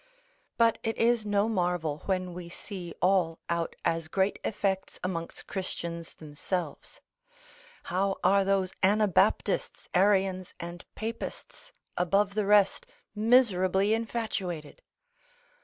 But it is no marvel, when we see all out as great effects amongst Christians themselves; how are those Anabaptists, Arians, and Papists above the rest, miserably infatuated!